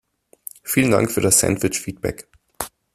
Vielen Dank für das Sandwich-Feedback!